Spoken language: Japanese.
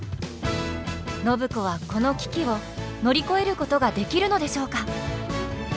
暢子はこの危機を乗り越えることができるのでしょうか。